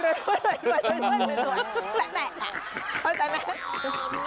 แปะค่ะเข้าใจไหม